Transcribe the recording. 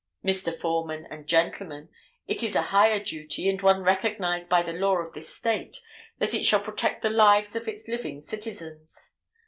Mr. Foreman and gentlemen, it is a higher duty, and one recognized by the law of this State, that it shall protect the lives of its living citizens.